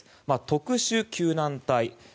特殊救難隊。